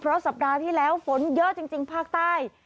เพราะสัปดาห์ที่แล้วฝนเยอะจริงภาคใต้